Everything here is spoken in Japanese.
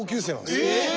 えっ！